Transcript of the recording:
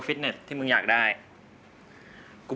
โอ้โหโอ้โห